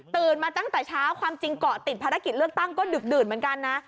มาตั้งแต่เช้าความจริงเกาะติดภารกิจเลือกตั้งก็ดึกดื่นเหมือนกันนะ